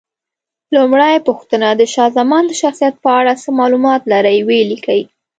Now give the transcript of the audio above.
لومړۍ پوښتنه: د شاه زمان د شخصیت په اړه څه معلومات لرئ؟ ویې لیکئ.